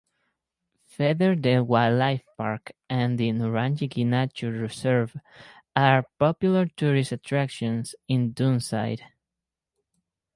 Featherdale Wildlife Park and the Nurragingy Nature Reserve are popular tourist attractions in Doonside.